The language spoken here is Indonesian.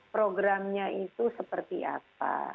programnya itu seperti apa